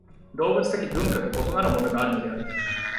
動物的群居と異なるものがあるのである。